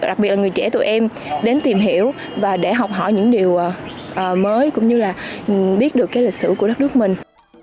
đặc biệt là người trẻ tụi em đến tìm hiểu và để học hỏi những điều mới cũng như là biết được cái lịch sử của đất nước mình